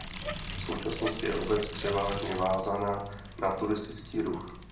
V současnosti je obec převážně vázána na turistický ruch.